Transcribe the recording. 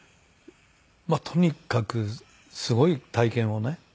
まあとにかくすごい体験をね